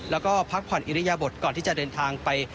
แล้วก็พักผ่อนอิริยบทก่อนที่จะเดินทางไป